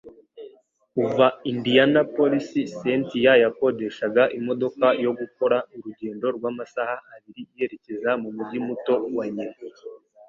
Kuva Indianapolis, Cynthia yakodeshaga imodoka yo gukora urugendo rw'amasaha abiri yerekeza mu mujyi muto wa nyina.